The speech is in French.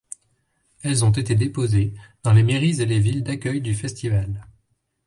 Elles ont été déposées dans les mairies et les villes d’accueil du festival.